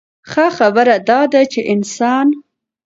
ښۀ خبره دا ده چې انسان